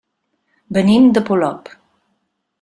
Venim de Polop.